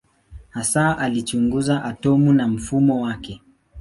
Hasa alichunguza atomu na mfumo wake.